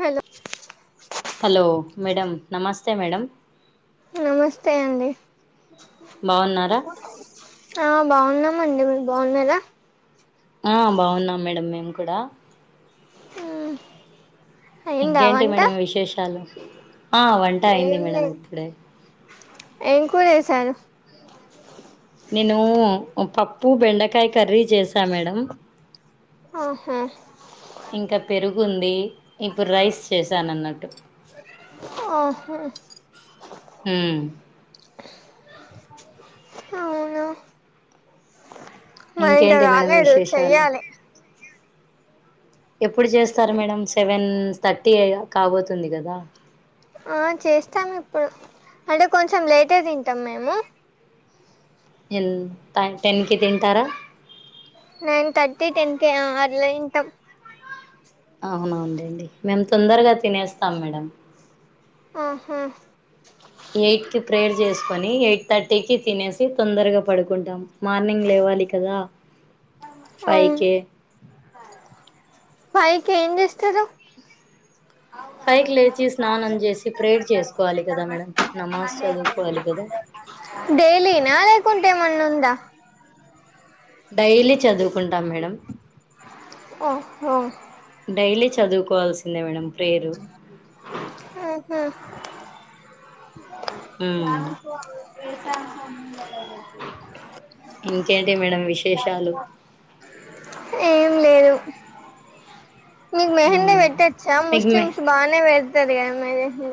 Hello hello madam నమస్తే madam నమస్తే అండి బాగున్నారా ఆ బాగున్నామండి మీరు బాగున్నారా ఆ బాగున్నాం మేడం మేము కూడా అయిందా ఇంకేంటి వంట మేడం విశేషాలు ఆ వంట అయింది ఏం మేడం లేదు ఇప్పుడే ఏం కూర చేసారు నేను పప్పు బెండకాయ కర్రీ చేసా మేడం ఆహా ఇంకా పెరుగుంది ఇప్పుడు రైస్ చేశాను అన్నట్టు ఆహో ఉమ్ అవునా మది ఇంకా ఇంకేంటి మేడం కాలేదు విశేషాలు చెయ్యాలే ఎప్పుడు చేస్తారు మేడం సెవెన్ థర్టీ కాబోతుంది కదా ఆ చేస్తాం ఇప్పుడు అంటే కొంచెం లేటె తింటాం మేము ఎ త టెన్కి తింటారా నైన్ థర్టీ టెన్ కే అట్ల తింటాం అవునండి మేము తొందరగా తినేస్తాం మేడం ఆహా ఎయిట్ కి ప్రేయర్ చేసుకొని ఎయిట్ థర్టీ కి తినేసి తొందరగా పడుకుంటాం మార్నింగ్ లేవాలి కదా [inaudible] అవును ఫైవ్కే ఫైవ్కెం చేస్తారు ఫైకి లేచి స్నానం చేసి ప్రేర్ చేసుకోవాలి కదా మేడం నమాజ్ చదుకోవాలి కదా డైలీనా లేకుంటే ఏమనా ఉందా డైలీ చదుకుంటం మేడం ఓ హో డైలీ చదుకోవాల్సిందే మేడం ప్రేరు ఆహ ఉమ్ [unintelligible] ఇంకేంటి మేడం విశేషాలు ఏం లేదు మీకు మెహెందీ ఉమ్ పేట్టొచ్చా మీకు మే ముస్లిమ్స్ బానే వేడ్తది కదా మెహెందీ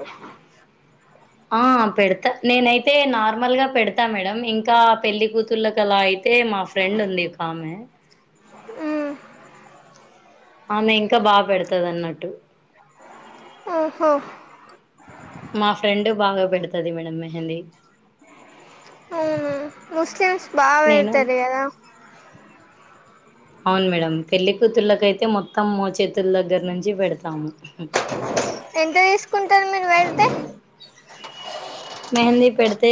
ఆ పెడ్తా నేనైతే నార్మల్గా పెడతా మేడం ఇంకా పెళ్లి కూతుళ్ళకాలా అయితే మా ఫ్రెండ్ ఉంది ఓకామే ఆ ఆమె ఇంకా బాగా పెడతది అన్నట్టు ఓహో మా ఫ్రెండ్ బాగా పెడతది మేడం మెహెందీ ఓ ముస్లిమ్స్ బా నేను పేడ్తది కదా అవును మేడం పెళ్లి కూతుళ్ళకైతే మొత్తం మో చేతుల దగ్గర నుంచి పెడతాము. ఎంత తీసుకుంటారు మీరు పెడితె మెహెందీ పెడితే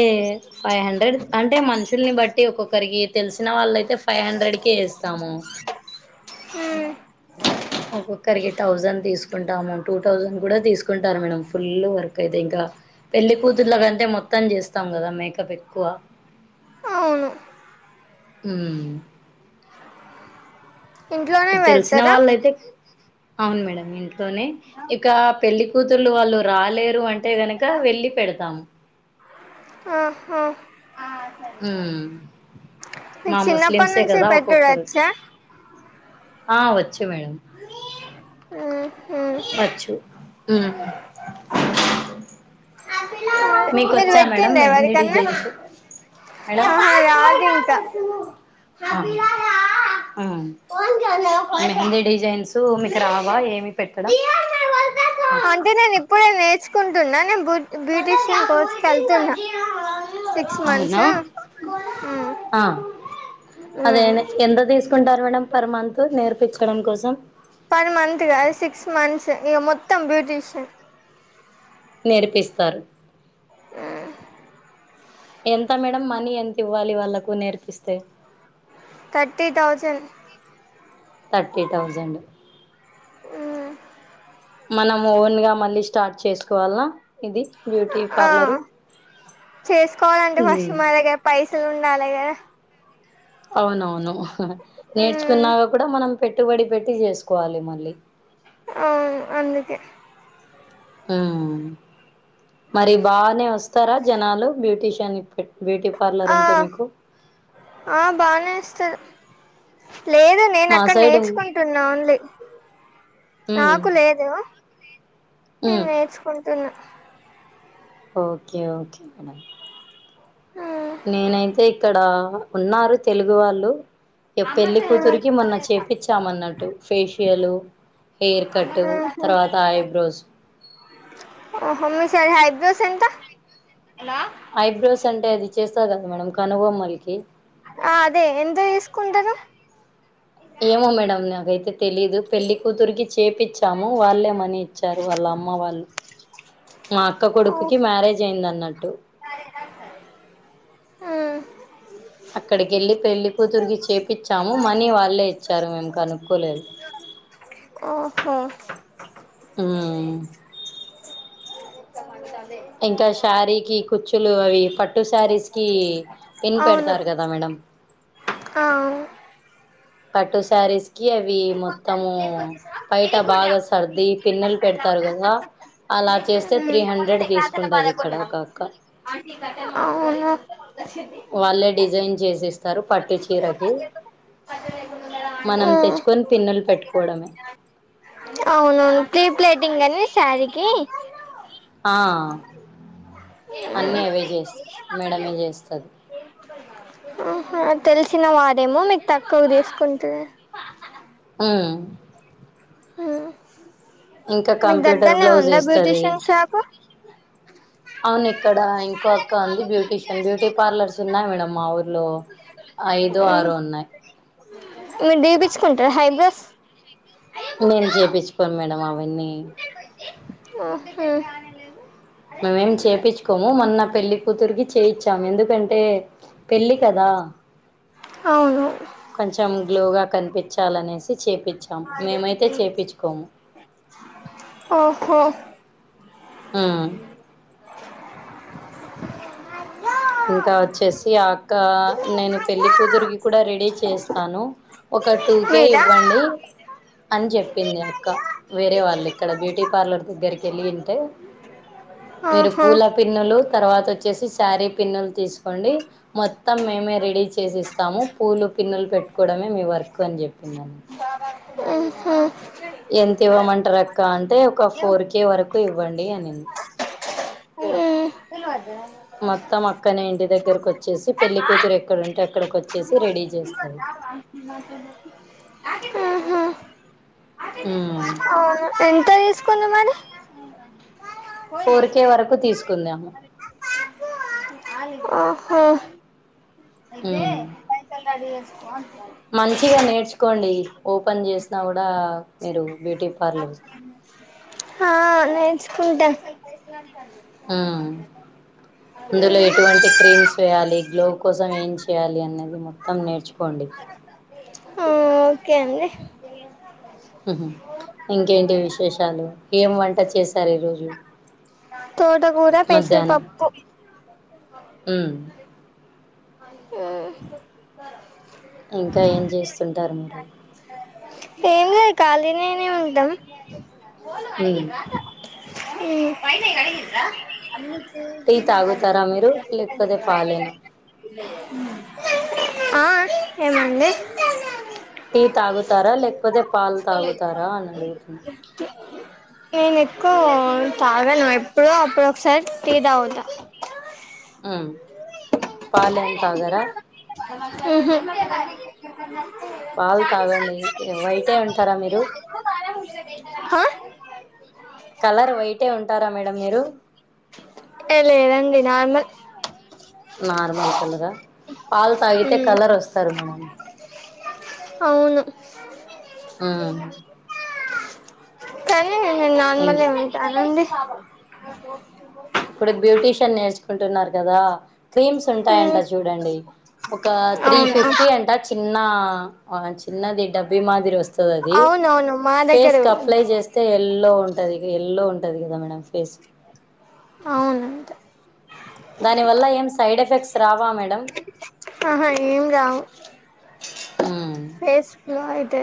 ఫై హండ్రెడ్ అంటే మన్ష్ షుల్ని బట్టి ఒక్కొక్కరికి తెలిసిన వాళ్ళయితే ఫై హండ్రెడ్ కీ ఏస్తాము. హు ఒక్కొక్కరికి థౌసండ్ తీసుకుంటాము టూ థౌజండ్ కూడా తీసుకుంటారు మేడం ఫుల్ వర్క్ అయితే ఇంకా పెళ్లి కూతుర్ల గంటే మొత్తం చేస్తాం కదా మేకప్ ఎక్కువ అవును ఉమ్ ఇంట్లోనే ఇప్పుడు తెలిసిన పెడతారా వాళ్ళయితే అవును మేడం ఇంట్లోనే ఇక పెళ్లి కూతురులు వాళ్ళు రాలేరు అం టే గనక వెళ్లి పెడతాం. ఆహాం ఆ హ్మ్ మా మిక్ చిన్నపటి ముస్లిమ్సే నుంచి కదా ఒక్కొక్కరు పెట్టుడొచ్చా. ఆ వచ్చు మేడం ఊహూ ఓచ్చు ఉమ్ అదే మీక్ మీరు ఓచ్చా మేడం పెట్టిండ్రా మెహెందీ ఎవరికన్నా డిజైన్స్ మేడం ఆహా రాదు ఇంకా మెహెందీ డిజైన్సు మీకు రావా ఏమి పెట్టడం అంటే నేను ఇప్పుడే నేర్చుకుంటున్నా నేను బూ బ్యూటీషియన్ కోర్సు కేళ్తున్నా సిక్స్ మంత్స్ అవునా మ్మ్ ఆ అదే మ్మ్ ఎనె ఎంత తీస్ కుంటరు మేడం పర్మాన్తు నేర్పిచడం కోసం పర్ మంత్ కాదు సిక్స్ మంత్స్ ఇగ మొత్తం బ్యూటీషన్ నేర్పిస్తారు ఎంత మేడం మనీ ఎంత ఇవ్వాలి వాళ్ళకు నేర్పిస్తే థర్టీ తౌసన్డ్ థర్టీ థౌజండ్ ఊ మనం ఓన్ గా మళ్ళీ స్టార్ట్ చేసుకోవాల్లా ఇదీ బ్యూటి ఆ చేసుకోవాలంటే ఫస్ట్ ఉమ్ మన దగ్గర పైసలుండాలే కదా అవునవును హా నేర్చుకున్నాక కూడా మనం పెట్టుబడి పెట్టి చేసుకోవాలి మళ్ళీ ఆ అందుకే హ్మ్ మరి బానే వస్తారా జనాలు బ్యూటీషియన్ పెట్ బ్యూటీ పార్లర్ ఆ అంటే మీకు ఆ బానే వస్తార్ లేద మా నేనక్కడ సైడ్ నేర్చుకుంటున్నా ఓన్లీ ఉమ్ నాకు లేదు నేను ఉమ్ నేర్చుకుంటున్నా ఓకే ఓకే నాన్న నేనైతే ఇక్కడ ఉన్నారు తెలుగు వాళ్ళు ఇగ పెళ్లి కూతురికి మొన్న చేపిచ్చామన్నట్టు ఫేషియల్ హెయిర్ కట్టు తర్వాత ఐబ్రోస్ ఆహ మీ సైడ్ ఐబ్రోస్ ఎంత ఐబ్రోస్ అంటే అది చేస్తారు కదా మేడం కనుబొమ్మలకి ఆ అదే ఎంత తీసుకుంటారు ఏమో మేడం నాకైతే తెలీదు పెళ్లి కూతురుకి చేపిచ్చి చ్చాము వాళ్ళే మనీ ఇచ్చారు వాళ్ళ అమ్మ వాళ్ళు మా అక్క ఓ కొడుకుకి మ్యారేజ్ అయ్యిందన్నట్టు అక్కడికెళ్ళి పెళ్లి కూతురికి చేపిచ్చాము మనీ వాళ్ళే ఇచ్చారు మేము కనుక్కోలేదు ఓహో హ్మ్ అదే అదే ఇంకా శారీకి కుచ్చులు అవి పట్టు శారీస్ కి పిన్ పెడతారు కదా మేడం ఆ అవును పట్టు సారీస్ కి అవి మొత్తము పైట బాగా సర్ది పిన్నులు పెడతారు కదా అలా చేస్తే త్రీ హండ్రెడ్ తీసుకుంటాది ఇక్కడ ఒక అక్క అవును వాళ్ళే డిజైన్ చేసిస్తారు పట్టు చీరకి మనం తెచ్చుకొని పిన్నులు పెట్టుకోవడమే అవునవును ప్రీ ప్లేటింగ్ అని శారీకి ఆ అన్నీ అవే చేస్ మేడమే చేస్తది ఆహ తెలిసిన వారేమో మీకు తక్కువ తీసుకుంటది ఉమ్ హ్మ్ ఇంకా కంప్యూటర్ బ్లౌజ్ ఏస్తాది బ్యూటీషియన్ షాపు అవునిక్కడ ఇంకొ అక్క ఉంది బ్యూటీషియన్ బ్యూటీ పార్లర్స్ ఉన్నాయి మేడమ్ మా ఊర్లో ఐదో ఆరో ఉన్నాయ్ మీరు తీపించుకుంటిరా ఐబ్రోస్ నేను చేపిచ్చుకోను మేడం అవన్నీ ఓహో మేం చేపిచ్చుకోము మొన్న పెళ్లి కూతురికి చేయిచ్చాము ఎందుకంటే పెళ్ళి కదా అవును కొంచం గ్లోగ కనిపిచ్చాలనేసి చేపిచ్చాము మేమైతే చేపిచ్చుకోము ఓహో ఆ ఇంకా వచ్చేసి అక్క నేను పెళ్ళికూతురికి కూడా రెడీ చేస్తాను ఒక టూకే మీదా ఇవ్వండి అని చెప్పింది అక్క వేరే వాళ్ళు ఇక్కడ బ్యూటీ పార్లర్ దగ్గరికి వెళ్ళింటే మీరు ఆహా పూల పిన్నులు తర్వాత వచ్చేసి సారీ పిన్నులు తీసుకోండి మొత్తం మేమే రెడీ చేసేస్తాము పూలు పిన్నులు పెట్టుకోవడమే మీ వర్క్ అని చెప్పి [unintelligible] ఉహు ఎంత ఇవ్వమంటారు అక్క అంటే ఒక ఫోర్ కే వరకు ఇవ్వండి అని ఉ [unintelligible] మొత్తం అక్కనే ఇంటి దగ్గరకు వచ్చేసి పెళ్ళికూతురు ఎక్కడుంటే అక్కడికి వచ్చేసి రెడీ చేస్తంది ఆహా హు ఎంత తీసుకుంది మరి అవున ఫోర్ కే వరకు తీసుకుంది ఆహ ఉ [unintelligible] మంచిగా నేర్చుకోండి ఓపెన్ చేసిన కూడా మీరు బ్యూటీ పార్లర్ హా నేర్చుకుంట ఆ అందులో ఎటువంటి క్రీమ్స్ వేయాలి గ్లో కోసం ఏం చేయాలి అనేది మో త్తం నేర్చుకోండి ఆ ఓకే అండి ఉహు ఇంకేంటి విశేషాలు ఏం వంట చేశారు ఈ రోజు తోటకూర మధ్యానం పెసరపప్పు ఏ ఇంకా ఏం చేస్తుంటారు మీరు ఖాళీ నేనే ఉంటాం ఉ ఉ అన్నీ టీ చూసి గంతే తాగుతారా మీరు లేకపోతే పాలేనా [unintelligible] ఆ ఆ [unintelligible] టీ తాగుతార లేకపోతే పాలు తాగుతార అని అడుగుతు నేను ఎక్కువ తాగాను ఎప్పుడో అప్పుడు ఒకసారి టీ తాగుత ఉమ్ పాలెం తాగర ఉహు పాల్ తాగండి వైటే ఉంటారా మీరు హ కలర్ వైటే ఉంటార మేడమ్ మీరు ఏ లేదండి నార్మల్ నార్మల్ కలరా పాల్ తాగితే కలర్ ఒస్తారు మేడమ్ అవును ఆ థ్యాంక్ అండి ఓ ఇప్పుడు బ్యూటిషన్ నేర్చుకుంటున్నార్ గదా క్రీమ్స్ ఉంటాయంట ఉమ్ చూడండి ఒక త్రీ అవును ఫిఫ్టీ అంట చిన్నా ఆ చిన్నది డబ్బీ మాదిరి ఒస్తది అది అవునవును మా దగ్గర ఫేస్కప్లై కూడా చేస్ తే ఎల్లో ఉంటదిగ ఎల్లో ఉంటది గద మేడం ఫేస్ అవ్నంట దాని వల్ల ఏం సైడ్ ఎఫెక్ట్స్ రావా మేడం ఆహా ఏం గావ్ మ్ ఫేస్ గ్లో ఐతద్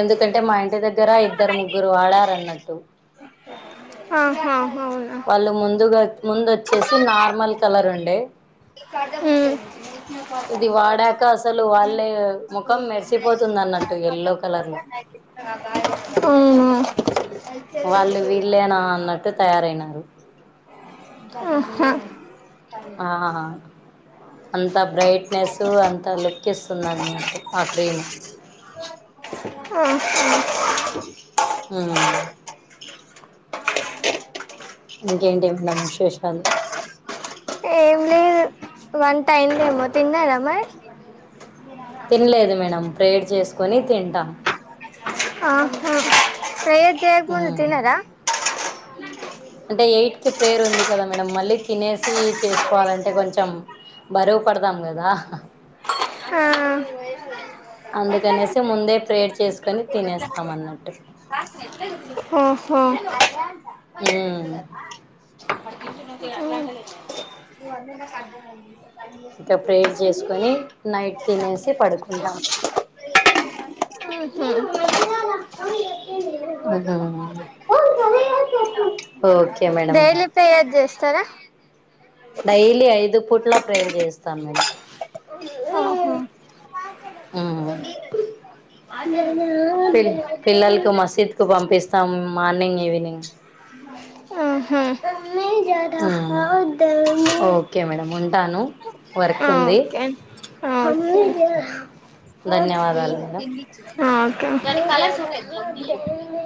ఎందుకంటే మా ఇంటి దగ్గర ఇద్దరు ముగ్గురు వాడారన్నట్టు ఆ హా హవున వాళ్ళు ముందుగా ముందు ఓచ్చేసి నార్మల్ కలర్ ఉండే మ్ ఇది వాడాక అసలు వాళ్ళే ముఖం మెర్సిపోతుందన్నట్టు ఎల్లో కలర్ లో ఆ ఆ వాళ్ళు వీళ్ళేనా అన్నట్టు తయారైనరు అ హా ఆ ఆ అంత బ్రైట్నెసూ అంత లుక్ ఇస్తున్నట్టు ఆ క్రీము ఆ హ మ్ ఇంకేంటేమ్నం విశేషాలు ఏం లేదు వటైందేమో తిన్నరమరి తిన్లేదు మేడం ప్రేయేర్ చేస్కొని తింటాం ఆ హ ప్రేయేర్ చేయక్ ముందు ఉమ్ తినరా అంటే ఎయిట్కిి ప్రేయర్ ఉంది కదా మేడం మళ్ళీ తినేసి చేస్కోవాలంటే కొంచెం బరూ పడ్దాం గదా ఆ అందుకనేసి ముందే ప్రేయేర్ చేస్కొని తినేస్తాం అన్నట్టు హో హో మ్ ఇంకా ప్రేయర్ చేసుకొని నైట్ తినేసి పడుకుంటాం మ్ హ్ అహ ఓకే మేడం డైలీ ప్రేయర్ చేస్తారా డైలీ ఐదు పుట్ల ప్రేయర్ చేస్తాన్ మేడం ఆహా ఆ తిన్ పిల్లల్కు మసీద్కు పంపిస్తామ్ మార్నింగ్ ఈవినింగ్ ఆహా ఆ ఓకే మేడం ఉంటాను వర్క్ ఆ ఉంది ఓకే ఆ ఓకే ధన్యవాదాలు మేడం ఆ ఓకే మూర్జజహాన్ జాన్ దే